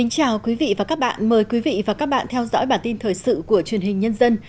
chào mừng quý vị đến với bản tin thời sự của truyền hình nhân dân